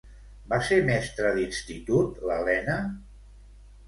Va ser mestra d'institut l'Helena?